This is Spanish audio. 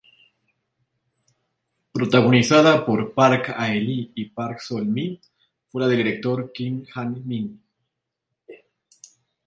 Protagonizada por Park Hae-il y Park Sol-mi, fue la del director Kim Han-min.